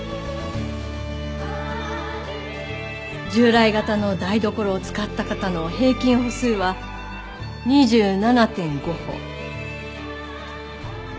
従来型の台所を使った方の平均歩数は２７．５歩。